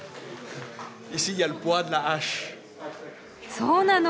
そうなの。